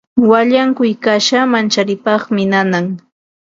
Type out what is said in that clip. Wallankuy kasha mancharipaqmi nanan.